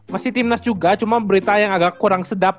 masih timnas juga cuma berita yang agak kurang sedap